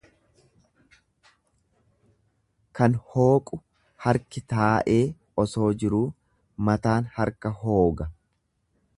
Kan hooqu harki taa'ee osoo jiruu mataan harka hooga.